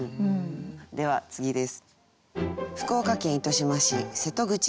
では次です。